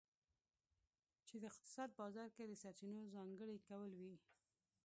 چې د اقتصاد بازار کې د سرچینو ځانګړي کول وي.